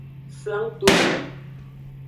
Flangtokpui.